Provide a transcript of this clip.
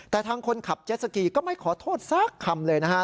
แต่ทางคนขับเจ็ดสกีก็ไม่ขอโทษสักคำเลยนะฮะ